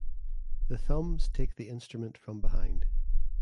The thumbs take the instrument from behind.